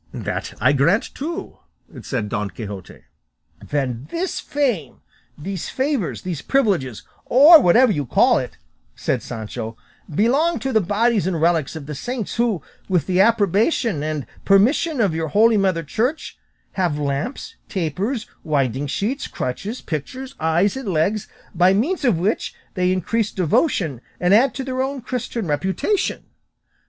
"That I grant, too," said Don Quixote. "Then this fame, these favours, these privileges, or whatever you call it," said Sancho, "belong to the bodies and relics of the saints who, with the approbation and permission of our holy mother Church, have lamps, tapers, winding sheets, crutches, pictures, eyes and legs, by means of which they increase devotion and add to their own Christian reputation.